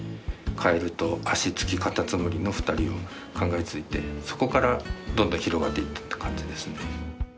カエルと足付きカタツムリの２人を考え付いてそこからどんどん広がっていったって感じですね。